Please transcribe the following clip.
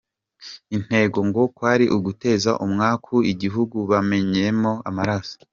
Intego ngo kwari uguteza umwaku igihugu bamennyemo amaraso.